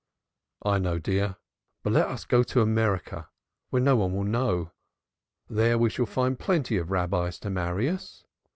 "I know, dear. But let us go to America, where no one will know. There we shall find plenty of Rabbis to marry us.